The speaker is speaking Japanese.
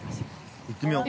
◆行ってみよう。